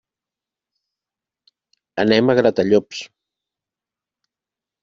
Anem a Gratallops.